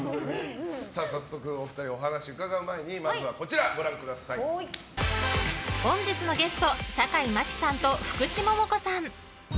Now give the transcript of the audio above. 早速、お二人にお話を伺う前に本日のゲスト坂井真紀さんと福地桃子さん。